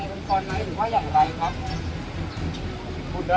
เดิมต้องรอเทลยสภาพ